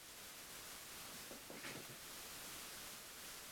Univerzita spolupracuje s mezinárodními organizacemi a univerzitami s celého světa.